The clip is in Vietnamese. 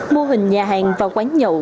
mô hình nhà hàng và quán nhậu